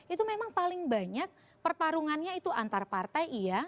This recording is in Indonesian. itu memang paling banyak pertarungannya itu antar partai iya